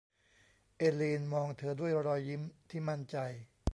เอลีนมองเธอด้วยรอยยิ้มที่มั่นใจ